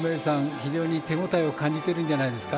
非常に手応えを感じているんじゃないですか。